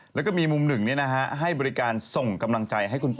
แล้วก็มีมุมหนึ่งให้บริการส่งกำลังใจให้คุณพ่อ